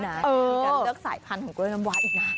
ตามรักษศัยพันด้วยก่อนทำวะอีกนาน